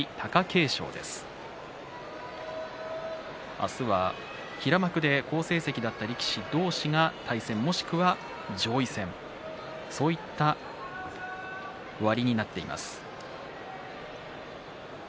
明日は平幕で好成績だった力士同士が対戦もしくは上位戦そういった割になっています。